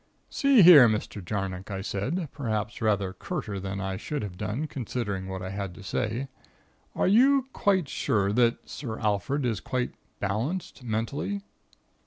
"See here, Mr. Jarnock," I said, perhaps rather curter than I should have done, considering what I had to say. "Are you quite sure that Sir Alfred is quite balanced mentally?"